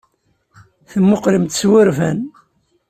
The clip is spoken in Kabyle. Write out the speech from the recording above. Temmuqqlem-tt s wurfan.